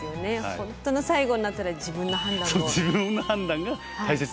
本当の最後になったら自分の判断を。